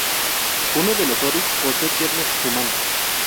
Uno de los oryx pose piernas humanas.